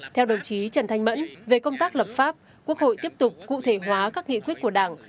theo đồng chí trần thanh mẫn về công tác lập pháp quốc hội tiếp tục cụ thể hóa các nghị quyết của đảng